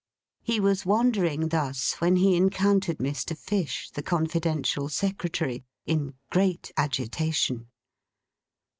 He was wandering thus, when he encountered Mr. Fish, the confidential Secretary: in great agitation.